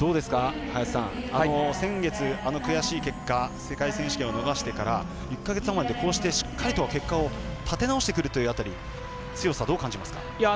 先月、あの悔しい結果世界選手権を逃してから１か月余りでこうしてしっかりと結果を立て直してくる辺り強さはどう感じますか？